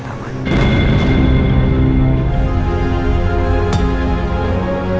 tidak ada yang bisa dikira